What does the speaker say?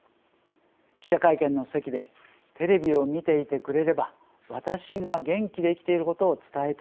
記者会見の席でテレビを見ていてくれれば私が元気で生きていることを伝えたい。